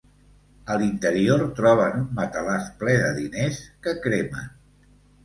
A l"interior, troben un matalàs ple de diners, que cremen.